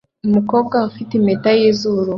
Umukobwa ufite impeta yizuru